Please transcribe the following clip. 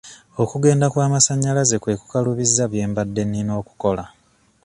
Okugenda kw'amasannyalaze kwe kukalubizza bye mbadde nina okukola.